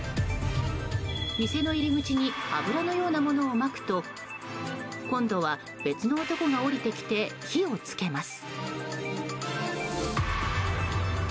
店の入り口に油のようなものをまくと今度は別の男が降りてきて火を付けます。